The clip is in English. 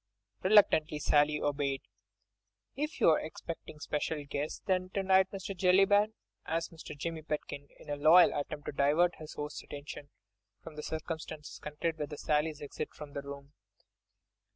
Reluctantly Sally obeyed. "Is you 'xpecting special guests then to night, Mr. Jellyband?" asked Jimmy Pitkin, in a loyal attempt to divert his host's attention from the circumstances connected with Sally's exit from the room.